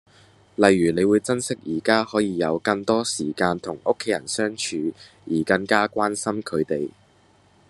例如你會珍惜宜家可以有更多時間同屋企人相處而更加關心佢哋